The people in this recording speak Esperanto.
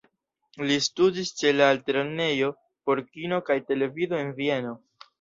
Li studis ĉe la Altlernejo por Kino kaj Televido en Vieno.